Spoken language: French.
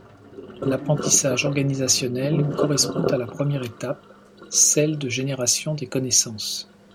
L'apprentissage organisationnel correspond à la première étape, celle de génération des connaissances.